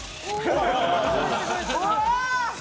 うわ！